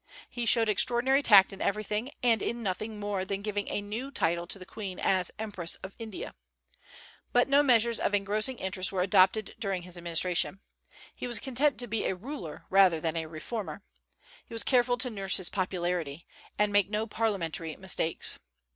He showed extraordinary tact in everything, and in nothing more than in giving a new title to the Queen as Empress of India. But no measures of engrossing interest were adopted during his administration. He was content to be a ruler rather than a reformer. He was careful to nurse his popularity, and make no parliamentary mistakes.